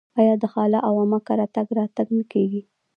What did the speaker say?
آیا د خاله او عمه کره تګ راتګ نه کیږي؟